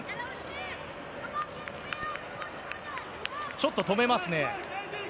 ちょっと止めますね。